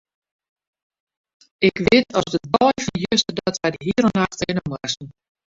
Ik wit as de dei fan juster dat wy de hiele nacht rinne moasten.